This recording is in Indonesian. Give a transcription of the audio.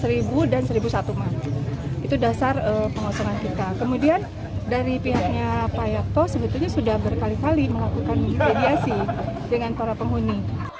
kemudian dari pihaknya pak yapto sebetulnya sudah berkali kali melakukan mediasi dengan para penghuni